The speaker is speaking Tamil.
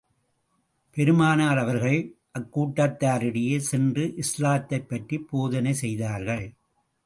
பெருமானார் அவர்கள், அக்கூட்டத்தாரிடையே சென்று இஸ்லாத்தைப் பற்றிப் போதனை செய்தார்கள்.